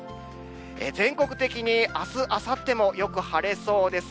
全国的にあす、あさってもよく晴れそうです。